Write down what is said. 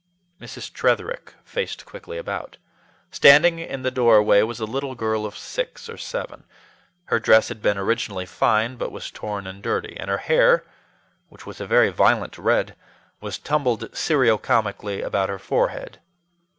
Mrs. Tretherick faced quickly about. Standing in the doorway was a little girl of six or seven. Her dress had been originally fine, but was torn and dirty; and her hair, which was a very violent red, was tumbled seriocomically about her forehead.